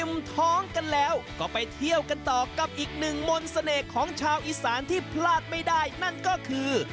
ท้องกันแล้วก็ไปเที่ยวกันต่อกับอีกหนึ่งมนต์เสน่ห์ของชาวอีสานที่พลาดไม่ได้นั่นก็คือ